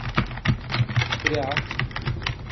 کرا.